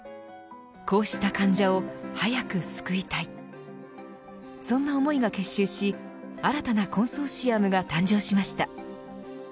こうした患者を早く救いたいそんな思いが結集し新たなコンソーシアムが誕生しました。